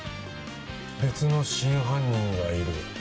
別の真犯人がいる。